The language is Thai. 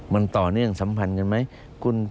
มันต่อเนื่องสัมพันธ์กันไหม